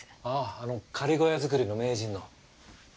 あああの仮小屋作りの名人の。